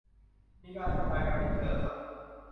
มีการทำงานกันเป็นเครือข่าย